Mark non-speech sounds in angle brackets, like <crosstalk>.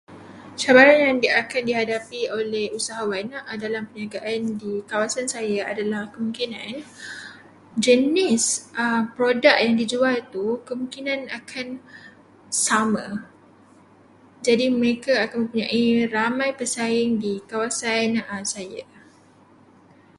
Cabaran yang akan dihadapi oleh usahawan dalam perniagaan di kawasan saya adalah kemungkinan jenis produk yang dijual tu kemungkinan akan sama. Jadi, mereka akan mempunyai ramai pesaing di kawasan <noise> saya.